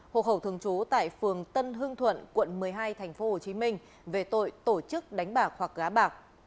hộ khẩu thường trú tại phường tân hương thuận quận một mươi hai tp hcm về tội tổ chức đánh bạc hoặc gá bạc